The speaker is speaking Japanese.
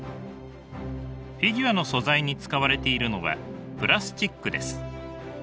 フィギュアの素材に使われているのはプラスチックです。